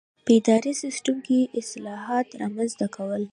په اداري سیسټم کې اصلاحات رامنځته کول.